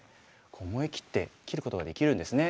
思い切って切ることができるんですね。